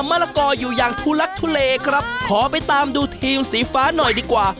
มะละกออยู่อย่างทุลักทุเลครับขอไปตามดูทีมสีฟ้าหน่อยดีกว่า